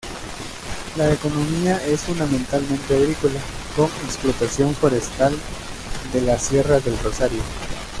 La economía es fundamentalmente agrícola con explotación forestal de la Sierra del Rosario.